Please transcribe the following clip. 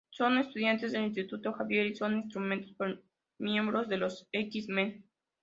Son estudiantes del Instituto Xavier y son instruidos por miembros de los X-Men.